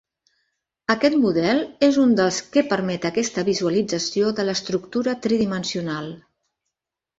Aquest model és un dels que permet aquesta visualització de l'estructura tridimensional.